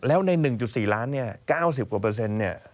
แล้วใน๑๔ล้านเนี่ย๙๐กว่าเปอร์เซ็นต์เนี่ย